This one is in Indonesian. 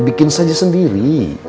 bikin saja sendiri